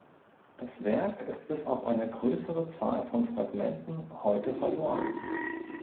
Das Werk ist bis auf eine größere Zahl von Fragmenten heute verloren.